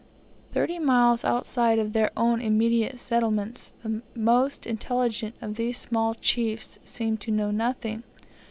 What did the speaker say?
Thirty miles outside of their own immediate settlements, the most intelligent of these small chiefs seem to know nothing.